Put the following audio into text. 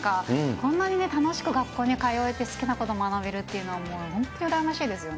こんなに楽しく学校に通えて、好きなこと学べるっていうのは、もう本当に羨ましいですよね。